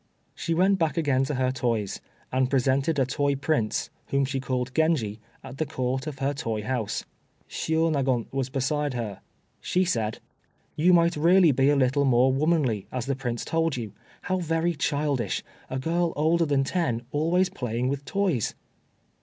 She went back again to her toys, and presented a toy prince, whom she called Genji, at the Court of her toy house. Shiônagon was beside her. She said: "You might really be a little more womanly, as the Prince told you. How very childish! a girl older than ten always playing with toys!"